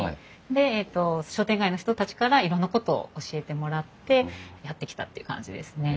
で商店街の人たちからいろんなことを教えてもらってやって来たっていう感じですね。